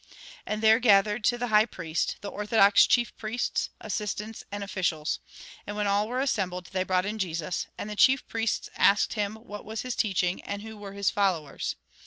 And there gathered to the high priest, the orthodox chief priests, assistants and officials. And when all were assembled, they brought in Jesus ; and the chief priests asked him, what was his teachiug, and who were his followers.